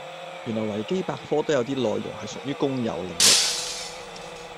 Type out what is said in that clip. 原來維基百科都有啲內容係屬於公有領域